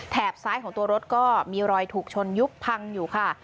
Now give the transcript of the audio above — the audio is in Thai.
ซ้ายของตัวรถก็มีรอยถูกชนยุบพังอยู่ค่ะ